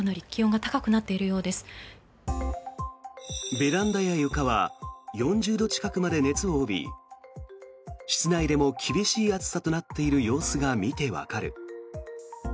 ベランダや床は４０度近くまで熱を帯び室内でも厳しい暑さとなっている様子が見てわかる。